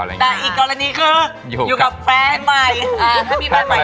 แต่อีกกรณีคืออยู่กับแฟนใหม่